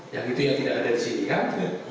yang itu yang tidak ada di sini kan